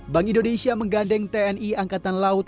bank indonesia menggandeng tni angkatan laut